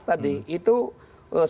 dan itu juga